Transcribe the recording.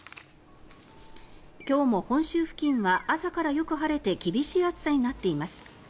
今日も本州付近は朝からよく晴れて厳しい暑さになっています。